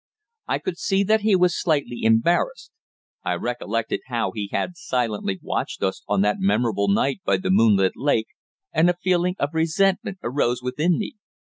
I could see that he was slightly embarrassed. I recollected how he had silently watched us on that memorable night by the moonlit lake, and a feeling of resentment arose within me.